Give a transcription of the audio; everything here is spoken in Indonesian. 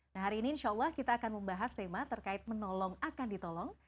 nah hari ini insya allah kita akan membahas tema terkait menolong akan ditolong